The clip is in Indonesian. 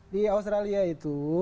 di australia itu